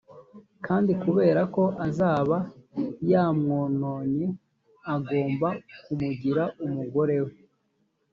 kandi kubera ko azaba yamwononnye, agomba kumugira umugore we,